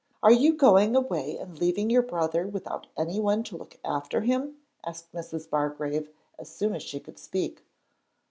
'Are you going away and leaving your brother without anyone to look after him?' asked Mrs. Bargrave as soon as she could speak.